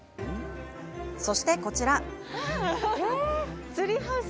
そして、こちら。